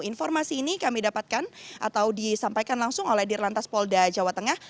informasi ini kami dapatkan atau disampaikan langsung oleh dirlantas polda jawa tengah